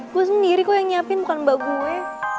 gue sendiri kok yang nyiapin bukan mbak gue